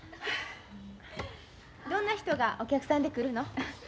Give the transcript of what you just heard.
どんな人がお客さんで来るの？